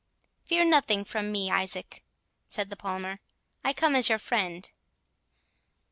"Fear nothing from me, Isaac," said the Palmer, "I come as your friend."